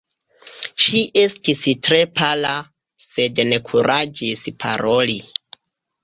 Ŝi estis tre pala, sed ne kuraĝis paroli.